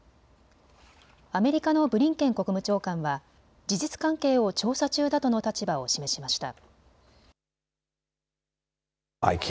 アメリカのブリンケン国務長官は事実関係を調査中だとの立場を示しました。